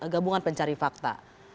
gabungan pencari fakta